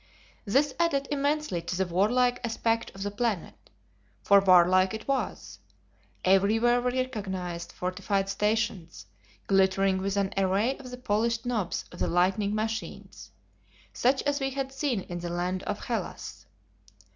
This added immensely to the warlike aspect of the planet. For warlike it was. Everywhere we recognized fortified stations, glittering with an array of the polished knobs of the lightning machines, such as we had seen in the land of Hellas.